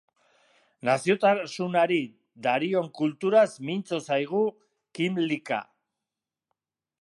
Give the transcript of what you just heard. Naziotasunari darion kulturaz mintzo zaigu Kymlicka.